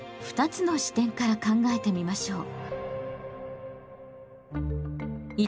２つの視点から考えてみましょう。